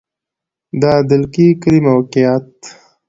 د دلکي کلی موقعیت